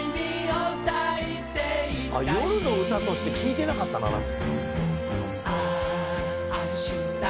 「夜の歌として聴いてなかったな」